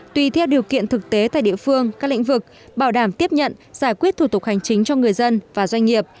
tùy theo điều kiện thực tế tại địa phương các lĩnh vực bảo đảm tiếp nhận giải quyết thủ tục hành chính cho người dân và doanh nghiệp